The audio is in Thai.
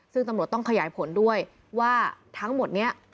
ซึ่งตำรวจต้องขยายผลด้วยว่าทั้งหมดนี้